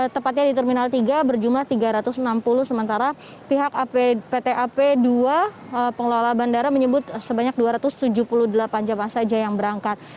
tepatnya di terminal tiga berjumlah tiga ratus enam puluh sementara pihak pt ap dua pengelola bandara menyebut sebanyak dua ratus tujuh puluh delapan jemaah saja yang berangkat